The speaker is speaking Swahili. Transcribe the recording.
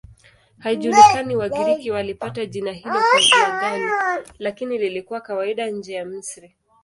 Haijulikani Wagiriki walipata jina hilo kwa njia gani, lakini lilikuwa kawaida nje ya Misri.